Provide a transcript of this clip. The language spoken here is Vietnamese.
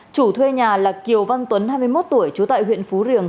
chủ thuê nhà là kiều văn tuấn hai mươi một tuổi trú tại huyện phú riềng